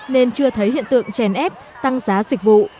nên chưa thấy hiện tượng chèn ép tăng giá dịch vụ